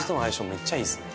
めっちゃいいっすね